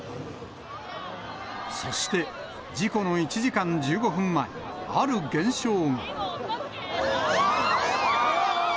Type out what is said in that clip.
そして、事故の１時間１５分前、ある現象が。